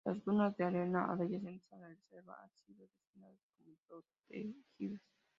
Las dunas de arena adyacentes a la reserva han sido designadas como protegidas.